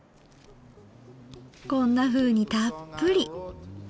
こんなふうにたっぷり。